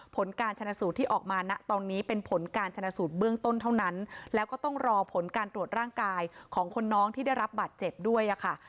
ผลการชนะสูตรที่ออกมานะตอนนี้เป็นผลการชนะสูตรเบื้องต้นเท่านั้นแล้วก็ต้องรอผลการตรวจร่างกายของคนน้องที่ได้รับบาดเจ็บด้วยค่ะ